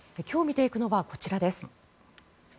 今日見ていくのはこちらです。